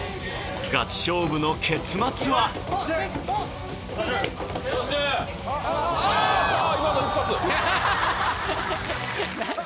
ガチ勝負の結末は⁉あぁ！